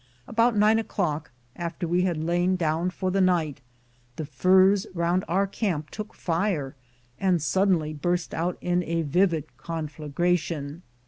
About nine o'clock, after we had lain down for the night, the firs round our camp took fire and suddenly burst out in a vivid conflagration.